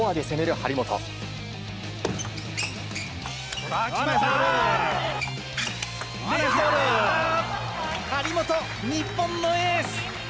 張本、日本のエース！